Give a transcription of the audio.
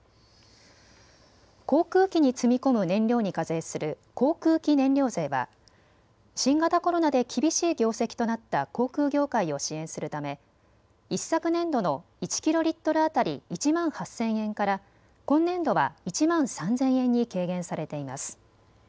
航空機に積み込む燃料に課税する航空機燃料税は新型コロナで厳しい業績となった航空業界を支援するため一昨年度の１キロリットル当たり１万８０００円から今年度は１万３０００円に軽減されています。